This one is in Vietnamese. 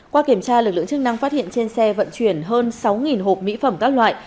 qua kiểm tra lực lượng chức năng phát hiện trên xe vận chuyển hơn sáu hộp mỹ phẩm các loại